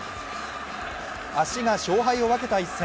足が勝敗を分けた一戦